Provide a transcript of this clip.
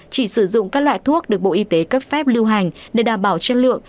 chỉ sử dụng các loại thuốc được bộ y tế cấp phép lưu hành để đảm bảo chất lượng